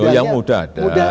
yang muda ada